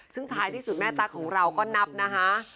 ซึ่งท้ายที่สุดแม่ตั๊กของเราก็นับนะคะ